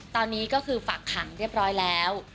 ตอนนี้ก็คือฝากขังเรียบร้อยแล้ว